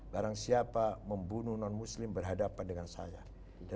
barang siapa membunuh non muslim berhadapan dengan saya